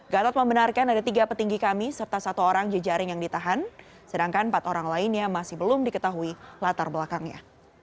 gatot membenarkan ada tiga petinggi kami serta satu orang jejaring yang ditahan sedangkan empat orang lainnya masih belum diketahui latar belakangnya